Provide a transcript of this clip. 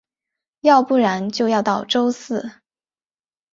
要不然就要到周四